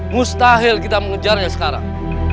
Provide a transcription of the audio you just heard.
mustahil kita mengejarnya sekarang